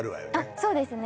そうですね